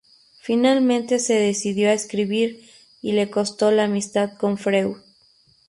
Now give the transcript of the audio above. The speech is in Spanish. Finalmente se decidió a escribir y le costó la amistad con Freud.